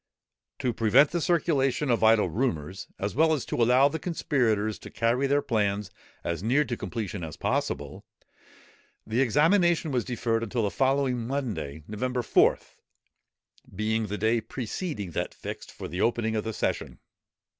To prevent the circulation of idle rumours, as well as to allow the conspirators to carry their plans as near to completion as possible, the examination was deferred until the following Monday, November 4th, being the day preceding that fixed for the opening of the session.